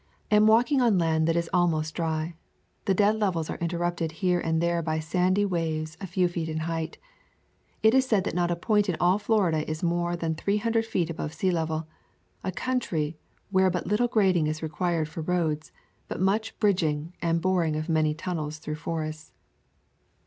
Amwalking on land that is almost dry. The dead levels are interrupted here and there by sandy waves a few feet in height. It is said that not a point in all Florida is more than three hundred feet above sea level —a country where but little grading is required for roads, but much bridging, and boring of many tunnels through forests.